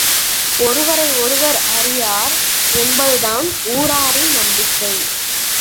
ஒருவரை ஒருவர் அறியார் என்பது தான் ஊராரின் நம்பிக்கை.